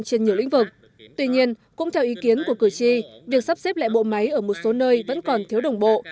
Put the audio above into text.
trên nhiều lĩnh vực tuy nhiên cũng theo ý kiến của cử tri việc sắp xếp lại bộ máy ở một số nơi vẫn còn thiếu đồng bộ